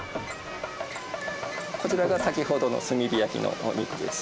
こちらが先ほどの炭火焼きのお肉です。